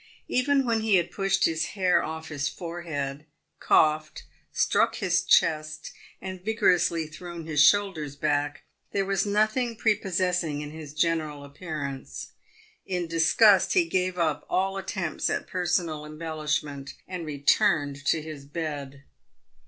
Even when he had pushed his hair off his forehead, coughed, struck his chest, and vigorously thrown his shoulders back, there was no thing prepossessing in his general appearance. In disgust he gave up all attempts at personal embellishment, and returned to his bed.